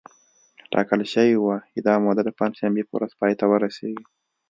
ټاکل شوې وه چې دا موده د پنجشنبې په ورځ پای ته ورسېږي